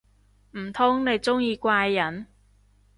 唔通你鍾意怪人